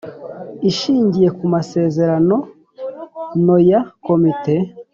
Ishingiye ku Masezerano no ya Komite